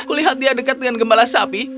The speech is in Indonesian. aku lihat dia dekat dengan gembala sapi